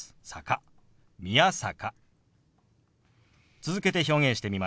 続けて表現してみます。